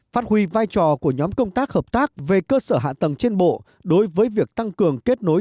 phát huy vai trò của nhóm công tác hợp tác về cơ sở hạ tầng trên bộ đối với việc tăng cường kết nối